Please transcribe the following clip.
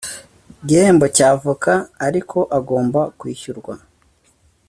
gihembo cy avoka ariko agomba kwishyurwa